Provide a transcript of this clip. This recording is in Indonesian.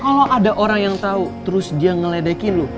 kalau ada orang yang tau terus dia ngeledekin lo